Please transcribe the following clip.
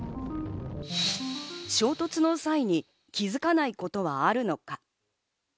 衝突の際に気付かないことはあるのか。